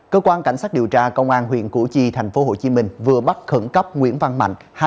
cơ quan cảnh sát điều tra công an huyện củ chi thành phố hồ chí minh vừa bắt khẩn cấp nguyễn văn mạnh